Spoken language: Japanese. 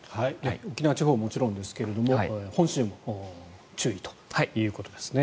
沖縄地方はもちろんですが本州も注意ということですね。